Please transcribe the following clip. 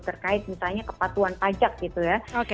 terkait misalnya kepatuhan pajak gitu ya